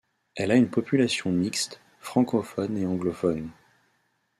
Elle a une population mixte, francophone et anglophone.